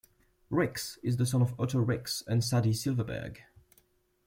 Rix is the son of Otto Rix and Sadie Silverberg.